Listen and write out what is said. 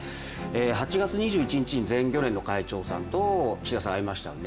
８月２１日に全漁連の会長と岸田さん、会いましたよね。